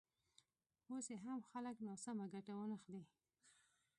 اوس یې هم خلک ناسمه ګټه وانخلي.